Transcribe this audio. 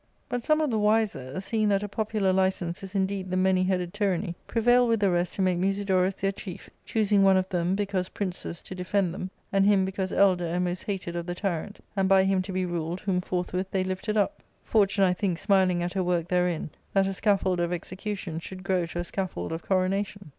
But some of the wiser, seeing that a popular license is indeed the many headed tyranny, /prevailed with the rest to make Musidorus their chief, "^ choosing one of them, because princes, to defend them, and him because elder and most hated of the tyrant, and by him to be ruled, whom forthwith they lifted up ; Fortune, I think, smiling at her work therein, that a scaffold of execution should grow to a scaffold of coronation.